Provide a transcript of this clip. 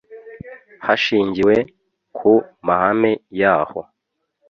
hashingiwe ku mahame yaho